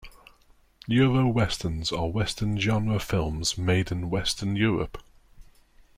Euro Westerns are Western genre films made in Western Europe.